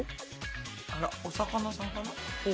あらお魚さんかな？